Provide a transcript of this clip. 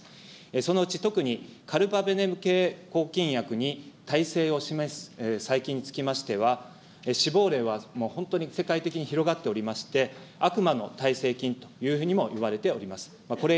そのうち特にカルバペネマーゼ抗菌薬に耐性を示す細菌につきましては、死亡例は本当に世界的に広がっておりまして、悪魔の耐性菌というふうにも呼ばれております。